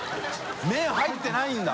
麺入ってないんだ？